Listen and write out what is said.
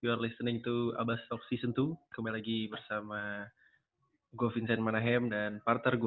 you are listening to abastalk season dua kembali lagi bersama gue vincent manahem dan parter gue